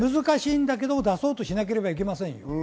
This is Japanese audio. だけど出そうとしなければいけません。